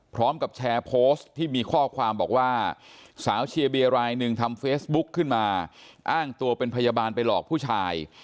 พร้อมกับแชร์โพสต์ที่มีข้อความบอกว่าสาวเชียร์เบียรายหนึ่งทำเฟซบุ๊กขึ้นมาอ้างตัวเป็นพยาบาลไปหลอกผู้ชาย